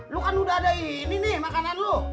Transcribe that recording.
lu kan udah ada ini nih makanan lu